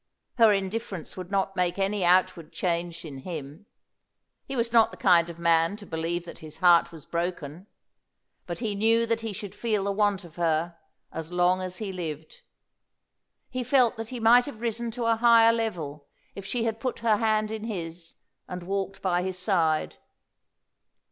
Her indifference would not make any outward change in him. He was not the kind of man to believe that his heart was broken, but he knew that he should feel the want of her as long as he lived; he felt that he might have risen to a higher level if she had put her hand in his and walked by his side.